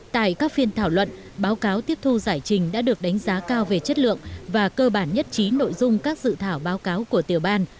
tại các phiên thảo luận báo cáo tiếp thu giải trình đã được đánh giá cao về chất lượng và cơ bản nhất trí nội dung các dự thảo báo cáo của tiểu ban